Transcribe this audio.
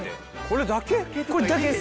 これだけ？